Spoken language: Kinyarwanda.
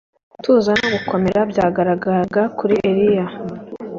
Gutuza no gukomera byagaragaraga kuri Eliya